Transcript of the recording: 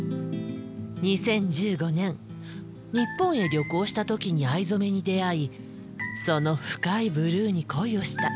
２０１５年日本へ旅行した時に藍染めに出会いその深いブルーに恋をした。